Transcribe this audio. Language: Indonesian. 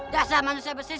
dasar manusia bersisik